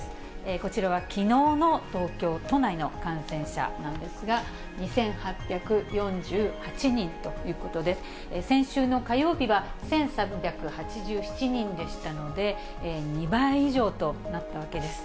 こちらはきのうの東京都内の感染者なんですが、２８４８人ということで、先週の火曜日は１３８７人でしたので、２倍以上となったわけです。